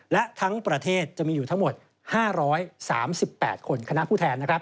และทั้งประเทศจะมีอยู่ทั้งหมด๕๓๘คนคณะผู้แทน